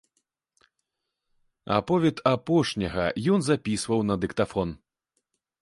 Аповед апошняга ён запісваў на дыктафон.